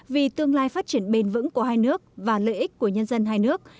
vì tương lai phát triển bền vững của hai nước và lợi ích của nhân dân hai nước